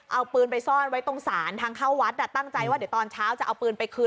เอาปืนไปซ่อนไว้ตรงศาลทางเข้าวัดตั้งใจว่าเดี๋ยวตอนเช้าจะเอาปืนไปคืน